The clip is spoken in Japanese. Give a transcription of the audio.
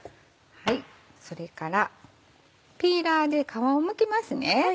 それからピーラーで皮をむきますね。